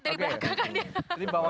dari belakang kan